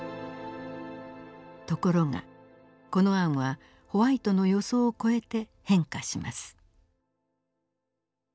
ところがこの案はホワイトの予想を超えて変化します。